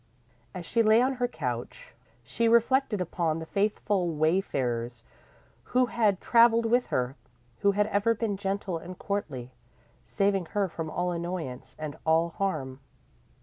_ _As she lay on her couch, she reflected upon the faithful wayfarers who had travelled with her, who had ever been gentle and courtly, saving her from all annoyance and all harm.